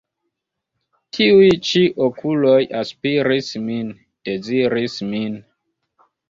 Tiuj ĉi okuloj aspiris min, deziris min.